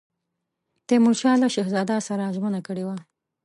تیمورشاه له شهزاده سره ژمنه کړې وه.